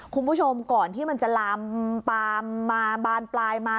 คุณผู้ชมก่อนที่มันจะลามปามมาบานปลายมา